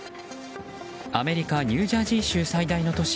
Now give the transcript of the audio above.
アメリカ・ニュージャージー州最大の都市